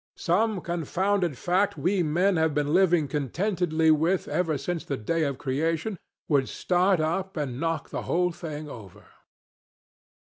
Some confounded fact we men have been living contentedly with ever since the day of creation would start up and knock the whole thing over.